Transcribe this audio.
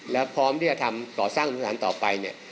และพร้อมที่จะทำก่อสร้างอนุสสถานต่อไป